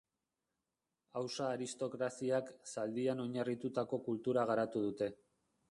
Hausa aristokraziak zaldian oinarritutako kultura garatu dute.